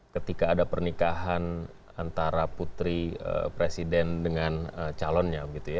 ketika ada pernikahan antara putri presiden dengan calonnya